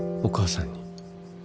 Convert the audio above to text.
お母さんに。